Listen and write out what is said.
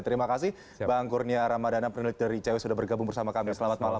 terima kasih bang kurnia ramadana peneliti dari icw sudah bergabung bersama kami selamat malam